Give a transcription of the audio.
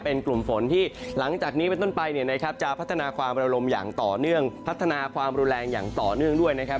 เป็นกลุ่มฝนที่หลังจากนี้เป็นต้นไปเนี่ยนะครับจะพัฒนาความระลมอย่างต่อเนื่องพัฒนาความรุนแรงอย่างต่อเนื่องด้วยนะครับ